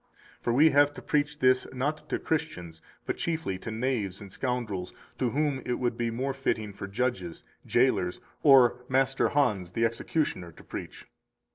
For we have to preach this not to Christians, but chiefly to knaves and scoundrels, to whom it would he more fitting for judges, jailers, or Master Hannes [the executioner] to preach.